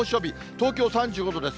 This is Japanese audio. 東京３５度です。